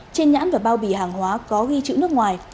trên nhãn và bao bì hàng hóa có ghi chữ nước ngoài